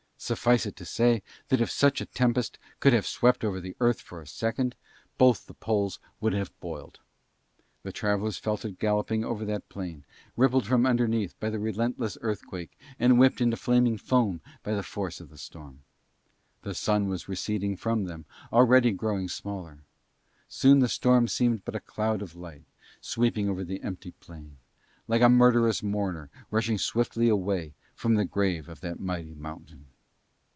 Suffice it to say that if such a tempest could have swept over Earth for a second, both the poles would have boiled. The travellers left it galloping over that plain, rippled from underneath by the restless earthquake and whipped into flaming foam by the force of the storm. The Sun already was receding from them, already growing smaller. Soon the storm seemed but a cloud of light sweeping over the empty plain, like a murderous mourner rushing swiftly away from the grave of that mighty mountain.